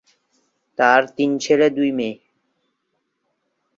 তার তিন ছেলে, দুই মেয়ে।